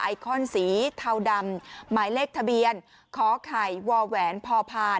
ไอคอนสีเทาดำหมายเลขทะเบียนขอไข่วแหวนพอพาน